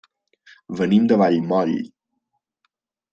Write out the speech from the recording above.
Venim de Vallmoll.